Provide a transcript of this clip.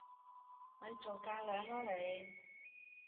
咪做架樑啦你！